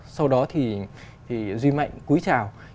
sau đó thì duy mạnh cúi trào